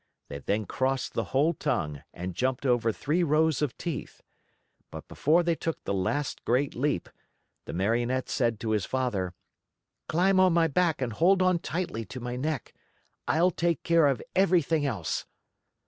They then crossed the whole tongue and jumped over three rows of teeth. But before they took the last great leap, the Marionette said to his father: "Climb on my back and hold on tightly to my neck. I'll take care of everything else."